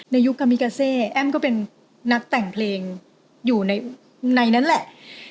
ยุคกามิกาเซแอ้มก็เป็นนักแต่งเพลงอยู่ในนั้นแหละ